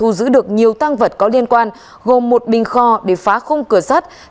hồ đức nhị đã bắt giữ được nhiều tăng vật có liên quan gồm một bình kho để phá không cửa sắt